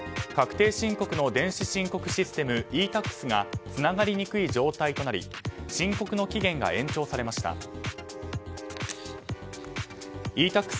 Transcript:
確定申告の電子申告システムｅ‐Ｔａｘがつながりにくい状態となり申告の期限が延長されました。